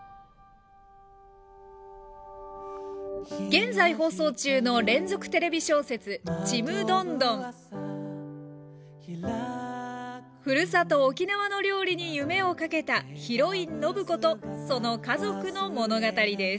現在放送中の連続テレビ小説「ちむどんどん」ふるさと沖縄の料理に夢をかけたヒロイン暢子とその家族の物語です